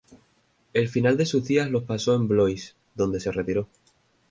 El final de sus días lo pasó en Blois, donde se retiró.